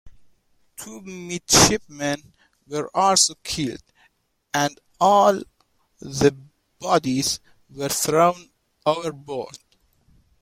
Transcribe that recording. Two midshipmen were also killed, and all the bodies were thrown overboard.